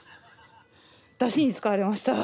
だしに使われました。